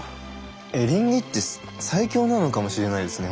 エリンギって最強なのかもしれないですね